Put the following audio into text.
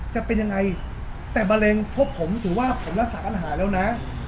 จะเป็นยังไงแต่มะเร็งพบผมถือว่าผมรักษาปัญหาแล้วนะ